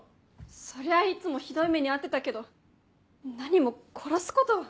そりゃあいつもひどい目に遭ってたけど何も殺すこと。